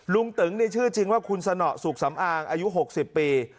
ตึงชื่อจริงว่าคุณสนสุขสำอางอายุ๖๐ปี